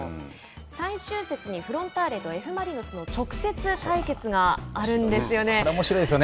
最終節にフロンターレとＦ・マリノスの直接対決があるんですよね。